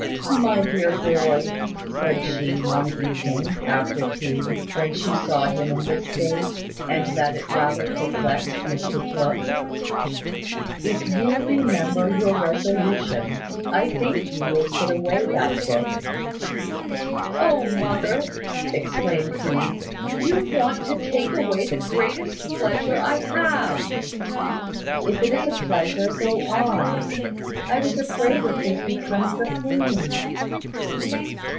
"My dear boy," said she one evening, after tea, when she saw him in this state, and that it rather perplexed Mr Tooke, "if you remember your resolution, I think you will put away that book." "O, mother!" exclaimed he, "you want to take away the greatest pleasure I have!" "If it is a pleasure, go on. I was afraid it was becoming a pain."